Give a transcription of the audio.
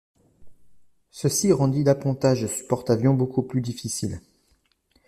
Ceci rendit l'appontage sur porte-avions beaucoup plus difficile.